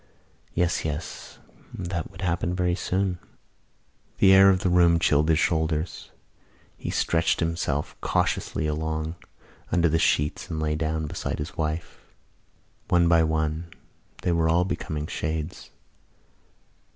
Yes, yes: that would happen very soon. The air of the room chilled his shoulders. He stretched himself cautiously along under the sheets and lay down beside his wife. One by one they were all becoming shades.